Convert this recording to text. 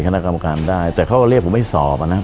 คณะกรรมการได้แต่เขาก็เรียกผมให้สอบอ่ะนะ